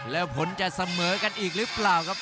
แล้วผลจะเสมอกันอีกหรือเปล่าครับ